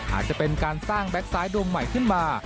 อาจจะเป็นการสร้างแบ็คซ้ายดวงใหม่ขึ้นมา